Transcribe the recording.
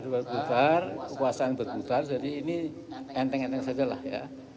berputar kekuasaan berputar jadi ini enteng enteng sajalah ya